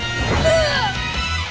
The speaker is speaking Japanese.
ああ！